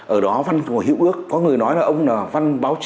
ở đó văn của hữu ước có người nói là ông là văn báo chí